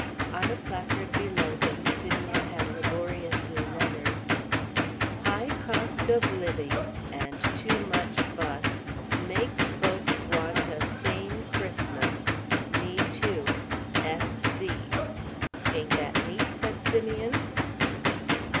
On a placard below him Simeon had laboriously lettered: High Cost of Living and too much fuss Makes Folks want a Sane Christmas Me Too. S. C. "Ain't that neat?" said Simeon.